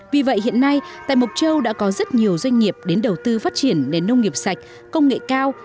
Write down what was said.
vì vậy hiện nay tại mộc châu đã có rất nhiều doanh nghiệp đến đầu tư phát triển nền nông nghiệp sạch công nghệ cao